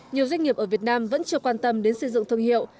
nhiều doanh nghiệp ở việt nam vẫn chưa quan tâm đến xây dựng thương hiệu